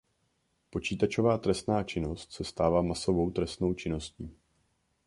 Počítačová trestná činnost se stává masovou trestnou činností.